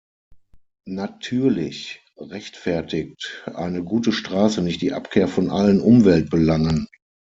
Natürlich rechtfertigt eine gute Straße nicht die Abkehr von allen Umweltbelangen.